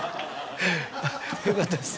よかったです。